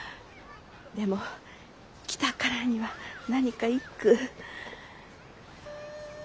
でも来たからには何か一句。